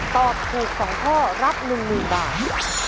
ตอบถูก๒ข้อรับ๑๐๐๐บาท